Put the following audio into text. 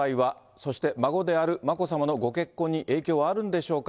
そして孫である眞子さまのご結婚に影響はあるんでしょうか。